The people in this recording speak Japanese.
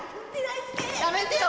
やめてよ！